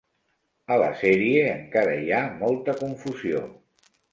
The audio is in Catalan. A la sèrie encara hi ha molta confusió.